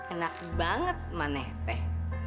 enak banget mane teh